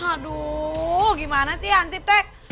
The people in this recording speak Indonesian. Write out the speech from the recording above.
aduh gimana sih hansip tek